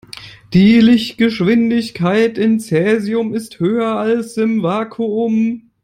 Die Lichtgeschwindigkeit in Cäsium ist höher als im Vakuum.